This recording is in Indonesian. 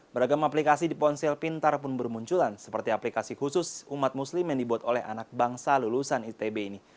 beragam aplikasi di ponsel pintar pun bermunculan seperti aplikasi khusus umat muslim yang dibuat oleh anak bangsa lulusan itb ini